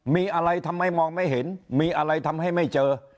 มีอะไรทำไมมองไม่เห็นมีอะไรทำให้ไม่เจอ